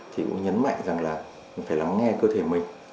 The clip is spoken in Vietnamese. thì cũng nhấn mạnh rằng là phải lắng nghe cơ thể mình